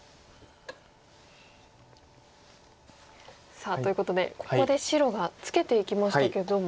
さあということでここで白がツケていきましたけども。